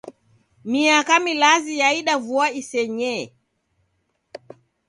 Miaka milazi yaida vua isenyee.